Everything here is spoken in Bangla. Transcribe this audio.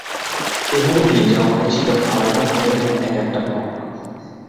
এভাবে নিয়ে যাওয়া হয়েছিল আড়াই টন ওজনের এক একটা ব্লক।